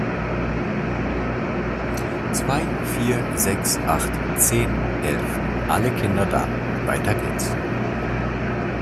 Zwei, Vier, Sechs, Acht, Zehn, Elf, alle Kinder da! Weiter geht's.